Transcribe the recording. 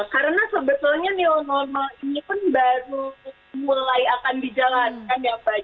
karena sebetulnya new normal ini pun baru mulai akan dijalankan ya mbak